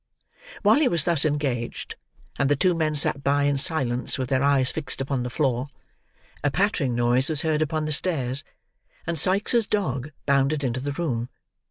While he was thus engaged, and the two men sat by in silence with their eyes fixed upon the floor, a pattering noise was heard upon the stairs, and Sikes's dog bounded into the room.